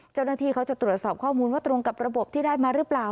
เจ้าหน้าที่เขาจะตรวจสอบข้อมูลว่าตรงกับระบบที่ได้มาหรือเปล่า